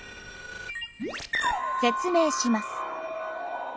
説明します。